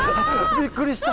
びっくりした。